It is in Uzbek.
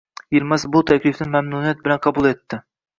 Yilmaz bu taklifni mamnuniyat bilan qabul etdi.